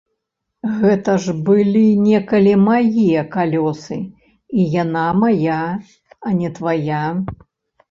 Гэта ж былі некалі мае калёсы і яна мая, а не твая!